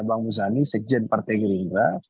bang muzani sekjen partai gerindra